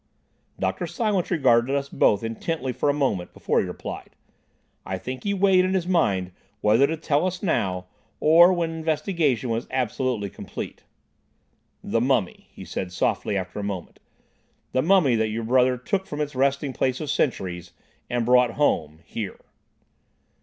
Dr. Silence regarded us both intently for a moment before he replied. I think he weighed in his mind whether to tell us now, or when the investigation was absolutely complete. "The mummy," he said softly, after a moment; "the mummy that your brother took from its resting place of centuries, and brought home—here."